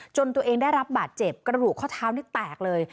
ตัวเองได้รับบาดเจ็บกระดูกข้อเท้านี่แตกเลย